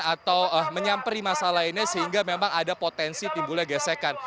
atau menyamperi masa lainnya sehingga memang ada potensi timbulnya gesekan